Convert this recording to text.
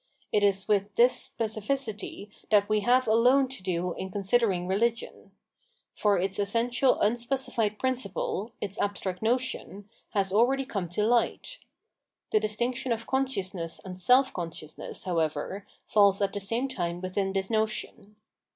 It is with this specificity that we have alone to do in considering religion ; for its essential rmspecified principle, its abstract notion, has already come to light. The distinction of consciousness and self consciousness, however, falls at the same time within this notion.